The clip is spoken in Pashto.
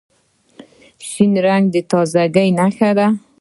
شین رنګ د تازګۍ نښه ده.